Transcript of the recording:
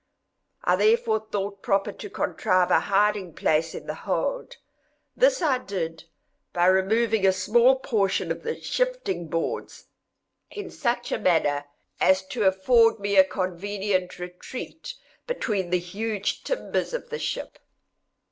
I therefore thought proper to contrive a hiding place in the hold. This I did by removing a small portion of the shifting boards, in such a manner as to afford me a convenient retreat between the huge timbers of the ship.